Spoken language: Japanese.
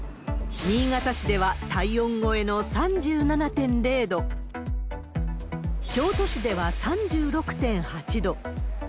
新潟市では体温超えの３７．０度、京都市では３６．８度。